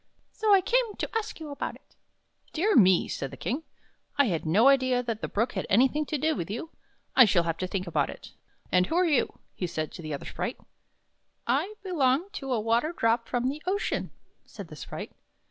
So I came to ask you about it." " Dear me! " said the King. " I had no idea that the Brook had anything to do with you. I shall have to think about it. And who are you?" he said to the other sprite. " I belong to a water drop from the ocean," said the sprite.